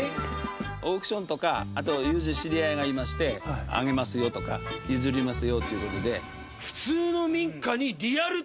オークションとかあと友人知り合いがいまして「あげますよ」とか「譲りますよ」という事で。